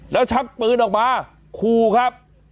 แล้วชักปืนออกมาคู่ครับ